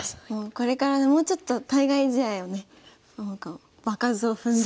これからもうちょっと対外試合をね場数を踏んで。